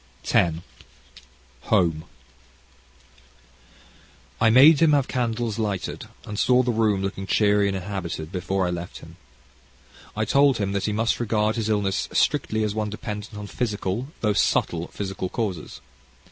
CHAPTER X Home I made him have candles lighted, and saw the room looking cheery and inhabited before I left him. I told him that he must regard his illness strictly as one dependent on physical, though subtle physical causes.